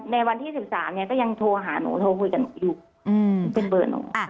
ในวันที่๑๓เนี่ยก็ยังโทรหาหนูโทรคุยกับหนูอยู่เป็นเบอร์หนู